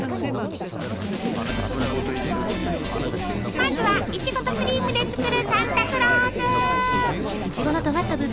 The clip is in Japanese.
まずはいちごとクリームで作るサンタクロース！